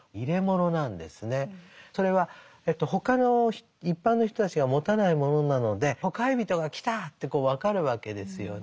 それは他の一般の人たちが持たないものなのでほかひびとが来たって分かるわけですよね。